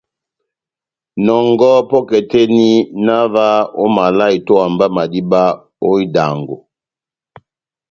Nɔngɔhɔ pɔ́kɛ tɛ́h eni, na ová omaval a itówa mba madíba ó idango.